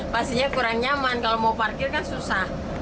pastinya kurang nyaman kalau mau parkir kan susah